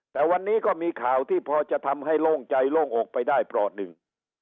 แต่วันนี้ก็มีข่าวที่พอจะทำให้โล่งใจโล่งอกไปได้ปลอดหนึ่ง